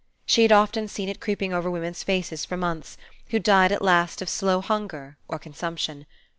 She had often seen it creeping over women's faces for months, who died at last of slow hunger or consumption.